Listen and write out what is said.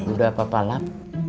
udah apa apa lap